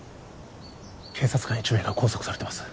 警察官１名が拘束されてます